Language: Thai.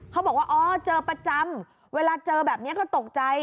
เขาบอกว่าอ๋อเจอประจำเวลาเจอแบบนี้ก็ตกใจ